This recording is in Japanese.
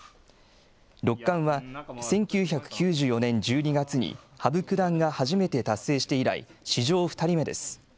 六冠は１９９４年１２月に羽生九段が初めて達成して以来、史上２人目です。